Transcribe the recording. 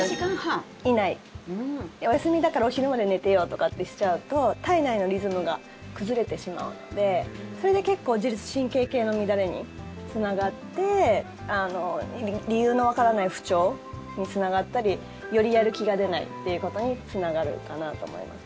お休みだから、お昼まで寝てようとかってしちゃうと体内のリズムが崩れてしまうのでそれで結構自律神経系の乱れにつながって理由のわからない不調につながったりよりやる気が出ないということにつながるかなと思います。